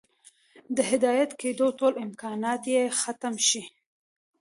د هدايت كېدو ټول امكانات ئې ختم شي